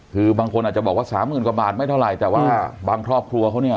คือบางคนอาจจะบอกว่าสามหมื่นกว่าบาทไม่เท่าไหร่แต่ว่าบางครอบครัวเขาเนี่ย